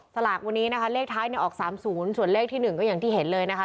สลากวันนี้นะคะเลขท้ายเนี่ยออกสามศูนย์ส่วนเลขที่หนึ่งก็อย่างที่เห็นเลยนะคะ